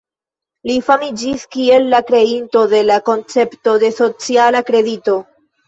Li famiĝis kiel la kreinto de la koncepto de sociala kredito.